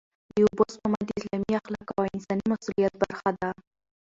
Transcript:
د اوبو سپما د اسلامي اخلاقو او انساني مسوولیت برخه ده.